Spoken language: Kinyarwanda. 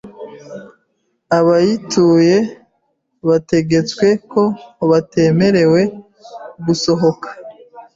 abayituye bategetswe ko batemerewe gusohoka